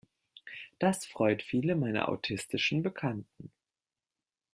Das freut viele meiner autistischen Bekannten.